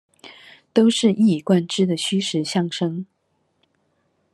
都是一以貫之的虛實相生